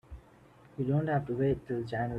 You don't have to wait till January.